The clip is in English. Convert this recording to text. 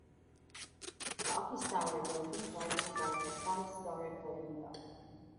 The office tower building rises above a five-storey podium block.